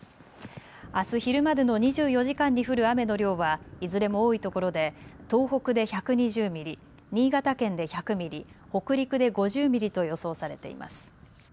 あす昼までの２４時間に降る雨の量はいずれも多いところで東北で１２０ミリ、新潟県で１００ミリ、北陸で５０ミリと予想されています。